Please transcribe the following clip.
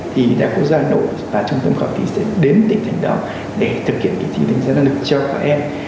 thì đại học quốc gia nội và trung tâm khẩu thí sẽ đến tỉnh thành đó để thực hiện kỳ thi đánh giá năng lực cho các em